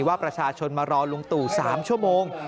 ว่าประชาชนมารอลุงตู่๓ชั่วโมง